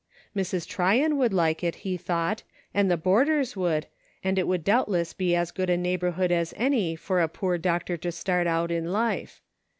Mrs. Tryon would like it, he thought, and the boarders would, and it would doubtless be as good a neighborhood as any for a poor doctor to start out in life.